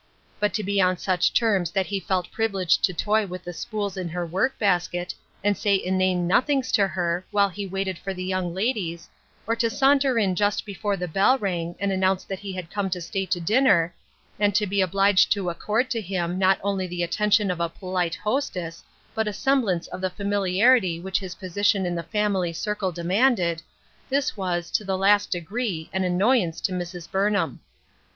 But to be on such terms that he felt privileged to toy with the spools in her work basket, and say inane nothings to her, while he waited for the young ladies, or to saunter in just before the bell rang, and announce that he had come to stay to dinner, and to be obliged to accord to him not only the attention of a polite hostess, but a semblance of the familiarity which his position in the family circle demanded, this was, to the last degree, an annoyance to Mrs. Burnham.